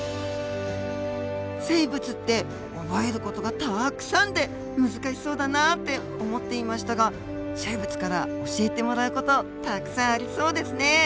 生物って覚える事がたくさんで難しそうだなって思っていましたが生物から教えてもらう事たくさんありそうですね。